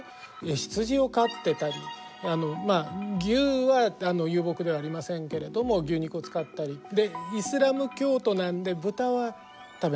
羊を飼ってたり牛は遊牧ではありませんけれども牛肉を使ったりでイスラム教徒なんで豚は食べない。